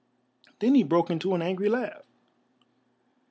Then he broke into an angry laugh.